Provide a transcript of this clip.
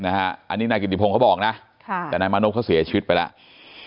อันนี้นายกิติพงศ์เขาบอกนะแต่นายมานพเขาเสียชีวิตไปแล้ว